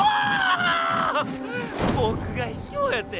ボクがひきょうやて？